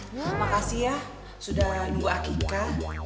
ayang terima kasih ya sudah nunggu akika